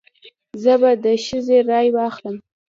زه به د ښځې رای واخلم.